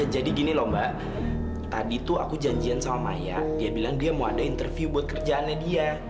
gini loh mbak tadi tuh aku janjian sama maya dia bilang dia mau ada interview buat kerjaannya dia